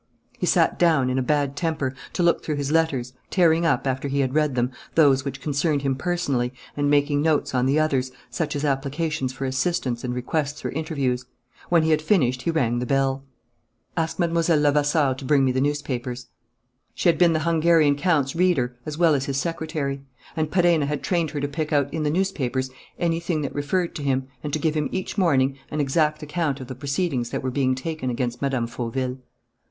He sat down, in a bad temper, to look through his letters, tearing up, after he had read them, those which concerned him personally and making notes on the others, such as applications for assistance and requests for interviews. When he had finished, he rang the bell. "Ask Mlle. Levasseur to bring me the newspapers." She had been the Hungarian count's reader as well as his secretary; and Perenna had trained her to pick out in the newspapers anything that referred to him, and to give him each morning an exact account of the proceedings that were being taken against Mme. Fauville.